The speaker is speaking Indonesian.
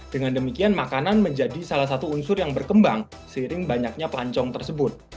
dengan demikian makanan menjadi salah satu unsur yang berkembang seiring banyaknya pelancong tersebut